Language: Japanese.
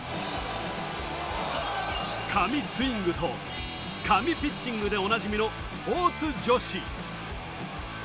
神スイングと神ピッチングでおなじみのスポーツ女子。